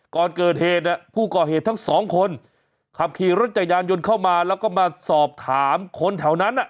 ก่อนเกิดเหตุผู้ก่อเหตุทั้งสองคนขับขี่รถจักรยานยนต์เข้ามาแล้วก็มาสอบถามคนแถวนั้น